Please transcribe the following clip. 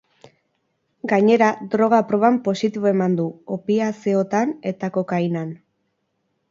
Gainera, droga-proban positibo eman du opiazeotan eta kokainan.